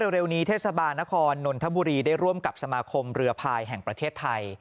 เร็วนี้เทศบาลนครนนทบุรีได้ร่วมกับสมาคมเรือพายแห่งประเทศไทย